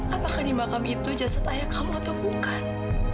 apakah di makam itu jasad ayah kamu atau bukan